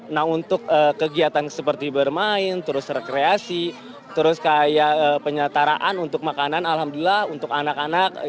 nah untuk kegiatan seperti bermain terus rekreasi terus kayak penyetaraan untuk makanan alhamdulillah untuk anak anak